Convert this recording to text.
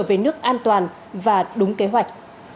chở về nước an toàn và đúng kế hoạch